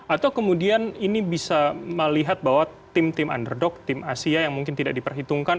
atau kemudian ini bisa melihat bahwa tim tim underdog tim asia yang mungkin tidak diperhitungkan